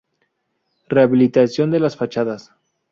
Rehabilitación de las fachadas.